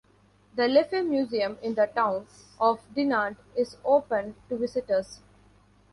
The Leffe museum in the town of Dinant is open to visitors.